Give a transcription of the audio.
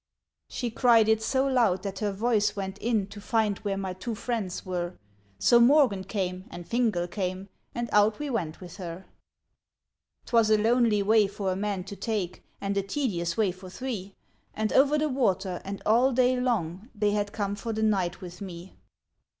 She cried it so loud that her voice went in To find where my two friends were j RETURN OF MORGAN AND FINGAL 105 So Morgan came, and Fingal came, And out we went with her. 'T was a lonely way for a man to take And a tedious way for three ; And over the water, and all day long, They had come for the night with me.